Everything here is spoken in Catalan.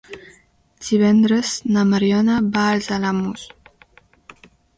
Divendres na Mariona va als Alamús.